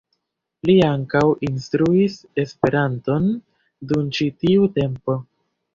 Li ankaŭ instruis Esperanton dum ĉi tiu tempo.